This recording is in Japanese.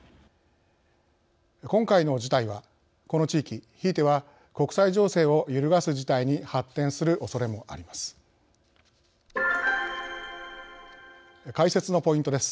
今回の事態はこの地域、ひいては国際情勢を揺るがす事態に発展するおそれもあります。